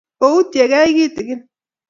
Koutyekei kitigin